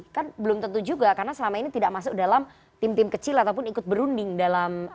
kan belum tentu juga karena selama ini tidak masuk dalam tim tim kecil ataupun ikut berunding dalam